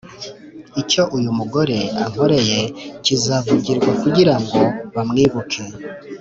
icyo uyu mugore ankoreye kizavugirwa kugira ngo bamwibuke